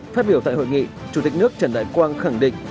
phát biểu tại hội nghị chủ tịch nước trần đại quang khẳng định